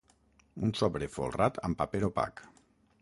Un sobre folrat amb paper opac.